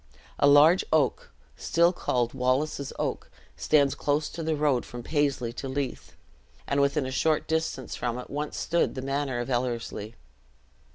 A large old oak, still called Wallace's Oak, stands close to the road from Paisley to Leith, and within a short distance from it once stood the manor of Ellerslie.